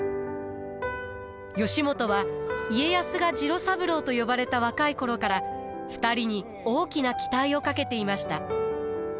義元は家康が次郎三郎と呼ばれた若い頃から２人に大きな期待をかけていました。